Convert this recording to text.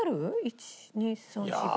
１２３４５。